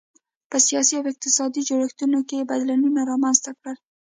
په سیاسي او اقتصادي جوړښتونو کې یې بدلونونه رامنځته کړل.